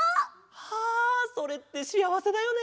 はあそれってしあわせだよね。